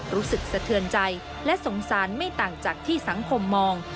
รู้สึกสะเทือนใจและสงสารไม่ต่างจากที่สังคมมอง